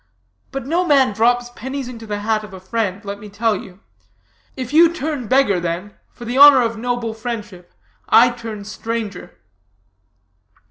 But no man drops pennies into the hat of a friend, let me tell you. If you turn beggar, then, for the honor of noble friendship, I turn stranger."